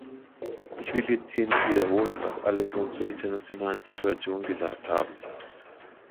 Ich will jetzt hier nicht wiederholen, was alle schon zur internationalen Situation gesagt haben.